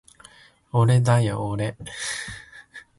おれだよおれ